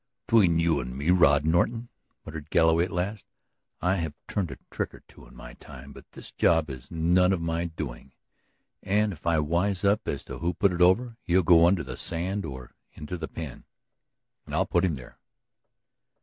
"Between you and me, Rod Norton," muttered Galloway at last, "I have turned a trick or two in my time. But this job is none of my doing and if I wise up as to who put it over he'll go under the sand or into the pen, and I'll put him there."